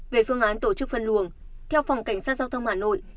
về phương án tổ chức phân luồng theo phòng cảnh sát giao thông hà nội